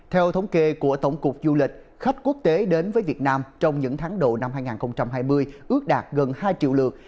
theo thống kê của tổng cục du lịch khách quốc tế đến với việt nam trong những tháng đầu năm hai nghìn hai mươi ước đạt gần hai triệu lượt